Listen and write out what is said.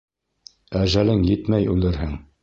Әжәлең етмәй үлерһең.